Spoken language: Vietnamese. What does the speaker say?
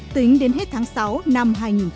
tính đến tháng sáu năm hai nghìn một mươi bảy